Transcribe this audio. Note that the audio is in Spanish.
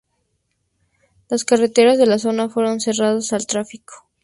Las carreteras de la zona fueron cerradas al tráfico.